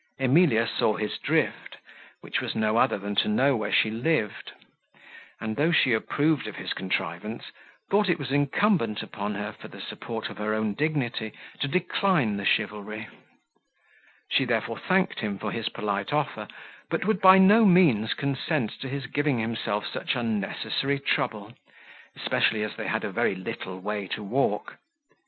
Emilia saw his drift, which was no other than to know where she lived; and though she approved of his contrivance, thought it was incumbent upon her, for the support of her own dignity, to decline the chivalry; she therefore thanked him for his polite offer, but would by no means consent to his giving himself such unnecessary trouble, especially as they had a very little way to walk.